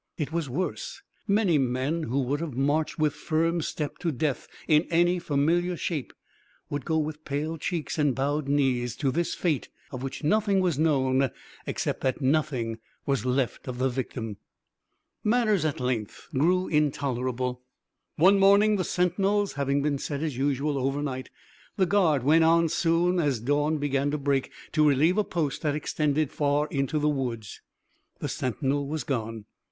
It was worse. Many men who would have marched with firm step to death in any familiar shape, would go with pale cheeks and bowed knees to this fate of which nothing was known except that nothing was left of the victim. Matters at length grew intolerable. One morning, the sentinels having been set as usual overnight, the guard went as soon as dawn began to break to relieve a post that extended far into the woods. The sentinel was gone!